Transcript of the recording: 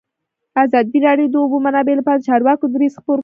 ازادي راډیو د د اوبو منابع لپاره د چارواکو دریځ خپور کړی.